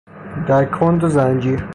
در کند و زنجیر